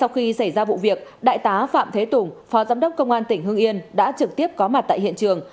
khi xảy ra vụ việc đại tá phạm thế tùng phó giám đốc công an tỉnh hưng yên đã trực tiếp có mặt tại hiện trường